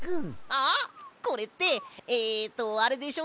あっこれってえとあれでしょ？